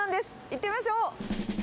行ってみましょう。